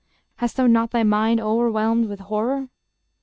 _ Hast thou not Thy mind o'erwhelmed with horror?